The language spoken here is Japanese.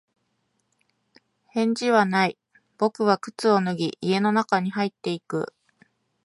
返事はない。僕は靴を脱ぎ、家の中に入っていく。